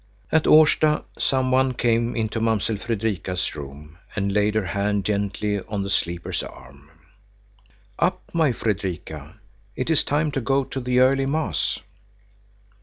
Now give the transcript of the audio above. At Årsta some one came into Mamsell Fredrika's room and laid her hand gently on the sleeper's arm. "Up, my Fredrika! It is time to go to the early mass."